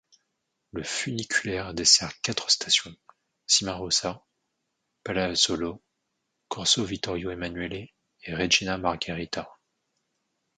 Le Funiculaire dessert quatre stations: Cimarosa, Palazzolo, Corso Vittorio Emanuele et Regina Magherita.